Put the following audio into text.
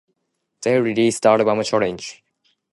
They released the album Challenge!